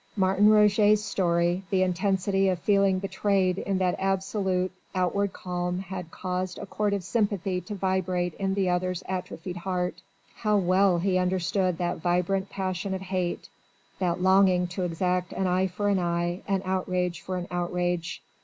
Martin Roget's story, the intensity of feeling betrayed in that absolute, outward calm had caused a chord of sympathy to vibrate in the other's atrophied heart. How well he understood that vibrant passion of hate, that longing to exact an eye for an eye, an outrage for an outrage!